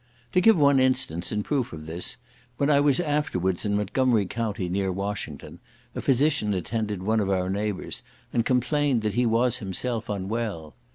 To give one instance in proof of this, when I was afterwards in Montgomery county, near Washington, a physician attended one of our neighbours, and complained that he was himself unwell.